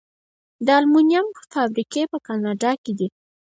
د المونیم فابریکې په کاناډا کې دي.